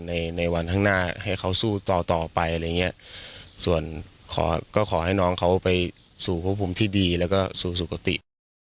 ในในวันข้างหน้าให้เขาสู้ต่อต่อไปอะไรอย่างเงี้ยส่วนขอก็ขอให้น้องเขาไปสู่พบภูมิที่ดีแล้วก็สู่สุขติ